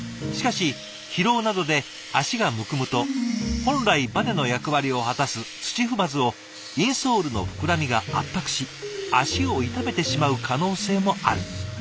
しかし疲労などで足がむくむと本来バネの役割を果たす土踏まずをインソールの膨らみが圧迫し足を痛めてしまう可能性もある。